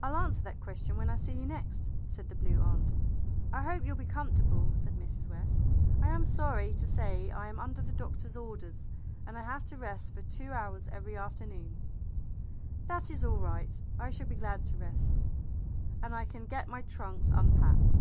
"I'll answer that question when I see you next," said the Blue Aunt. "I hope you'll be comfortable," said Mrs. West. "I am sorry to say I am under the doctor's orders, and I have to rest for two hours every afternoon." "That is all right. I shall be glad to rest, and I can get my trunks unpacked."